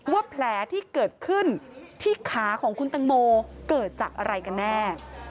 ว่าแผลที่เกิดขึ้นที่ขาของคุณตังโมเกิดจากอะไรกันแน่